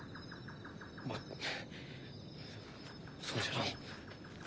まあそうじゃのう。